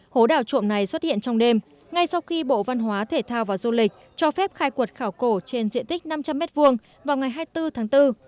hố đào trộm này xuất hiện trong đêm ngay sau khi bộ văn hóa thể thao và du lịch cho phép khai quật khảo cổ trên diện tích năm trăm linh m hai vào ngày hai mươi bốn tháng bốn